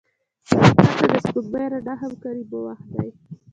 بزګر ته د سپوږمۍ رڼا هم کاري وخت دی